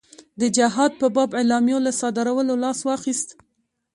د جهاد په باب اعلامیو له صادرولو لاس واخیست.